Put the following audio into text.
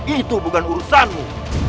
itu bukan urusanmu